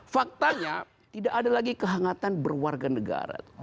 faktanya tidak ada lagi kehangatan berwarga negara